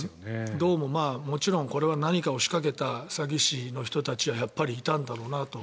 どうももちろんこれは何かを仕掛けた詐欺師の人たちはやっぱりいたんだろうなと。